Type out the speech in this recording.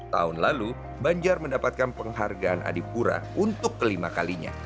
tahun lalu banjar mendapatkan penghargaan adipura untuk kelima kalinya